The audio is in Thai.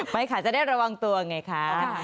ไม่ค่ะจะได้ระวังตัวไงคะ